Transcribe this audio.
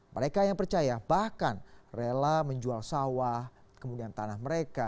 mereka yang percaya bahkan rela menjual sawah kemudian tanah mereka